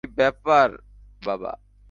কী ব্যাপার, বাবা?